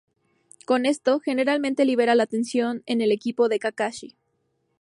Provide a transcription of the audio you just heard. Con esto, generalmente libera la tensión en el equipo de Kakashi.